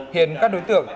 hiện các đối tượng